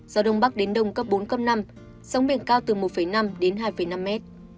gió đông bắc đến đông cấp bốn năm sống biển cao từ một năm hai năm m